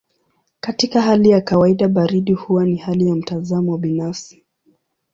Katika hali ya kawaida baridi huwa ni hali ya mtazamo binafsi.